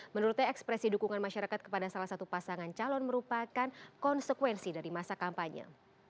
menurutnya ekspresi dukungan masyarakat kepada salah satu pasangan calon merupakan konsekuensi dari masa kampanye